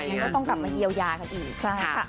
ก็ต้องกลับมาเยียวยากันอีก